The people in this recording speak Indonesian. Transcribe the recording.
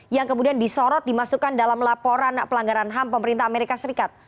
yang kemudian disorot dimasukkan dalam laporan pelanggaran ham pemerintah amerika serikat